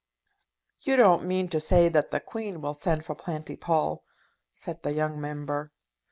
"You don't mean to say that the Queen will send for Planty Pall!" said the young Member.